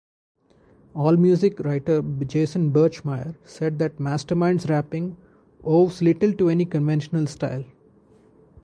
AllMusic writer Jason Birchmeier said that Mastamind's rapping "owes little to any conventional style".